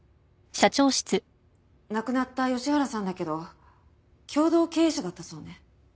亡くなった吉原さんだけど共同経営者だったそうね。